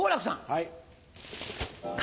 はい。